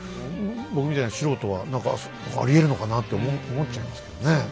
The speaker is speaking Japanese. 僕みたいな素人は何かありえるのかなって思っちゃいますけどね。